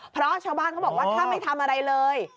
เพราะชาวบ้านเขาบอกว่าถ้าไม่ทำอะไรเลย